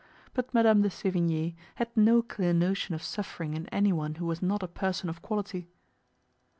But Madame de Sevigne had no clear notion of suffering in anyone who was not a person of quality.